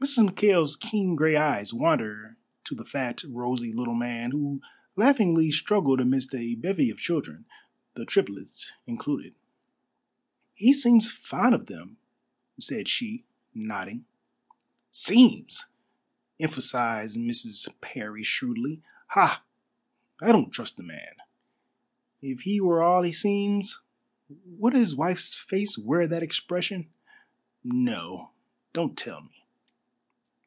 Mrs. McKail's keen grey eyes wander to the fat, rosy little man who laughingly struggled amidst a bevy of children, the triplets included. "He seems fond of them," said she, nodding. "Seems!" emphasised Mrs. Parry shrewdly. "Ha! I don't trust the man. If he were all he seems, would his wife's face wear that expression? No, don't tell me."